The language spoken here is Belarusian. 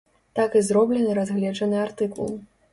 Так і зроблены разгледжаны артыкул.